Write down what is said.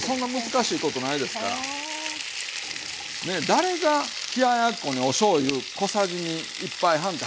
誰が冷ややっこにおしょうゆ小さじ１杯半って量ります？